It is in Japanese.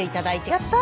やった！